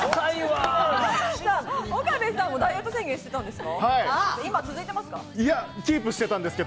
岡部さんもダイエット宣言してたんですか？